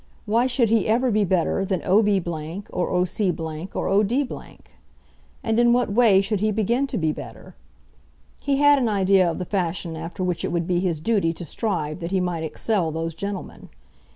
Why should he ever be better than O'B , or O'C , or O'D ? And in what way should he begin to be better? He had an idea of the fashion after which it would be his duty to strive that he might excel those gentlemen.